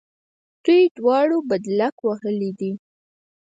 دوی دواړو بدلک وهلی دی.